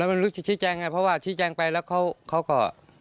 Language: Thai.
ไม่รู้จะชี้แจงไงเพราะว่าชี้แจงไปแล้วเขาก็